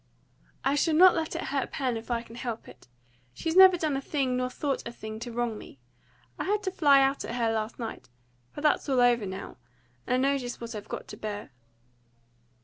"I shall not let it hurt Pen, if I can help it. She's never done a thing nor thought a thing to wrong me. I had to fly out at her last night; but that's all over now, and I know just what I've got to bear."